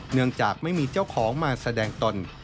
เนื่องจากไม่มีเจ้าของมาแสดงตน